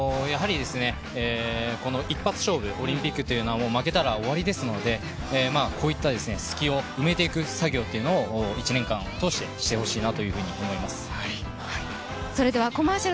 一発勝負、オリンピックというのは負けたら終わりですのでこういった隙を埋めていく作業というのを１年間を通してしてほしいあぁ。